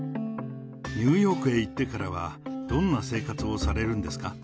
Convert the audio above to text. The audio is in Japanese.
ニューヨークへ行ってからは、どんな生活をされるんですか？